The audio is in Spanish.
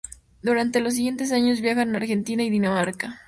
Durante los siguientes años viajan a Argentina y Dinamarca.